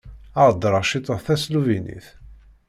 Heddreɣ ciṭuḥ tasluvinit.